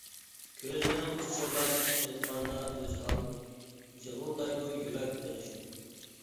كۆزلىرىڭ پىچىرلاپ ئېيتقاندا ئۆزھال، جىغىلدايدۇ يۈرەك بېغىشىم.